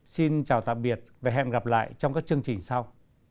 xin chào tạm biệt và hẹn gặp lại trong các chương trình sau